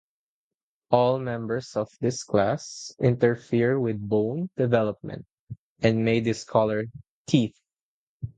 All members of this class interfere with bone development and may discolour teeth.